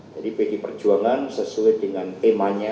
jadi pergi perjuangan sesuai dengan temanya